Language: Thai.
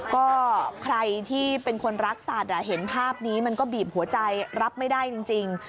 ก็ใครที่เป็นคนรักสัตว์เห็นภาพนี้มันก็บีบหัวใจรับไม่ได้จริง